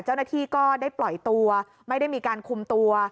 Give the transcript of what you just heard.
เจ้าหน้าที่ก็ได้ปล่อยตัวไม่ได้มีการคุมตัว